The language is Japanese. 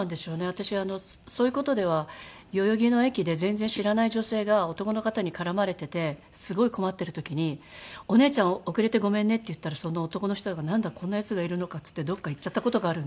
私そういう事では代々木の駅で全然知らない女性が男の方に絡まれててすごい困ってる時に「お姉ちゃん遅れてごめんね」って言ったらその男の人が「なんだこんなヤツがいるのか」っつってどっか行っちゃった事がある。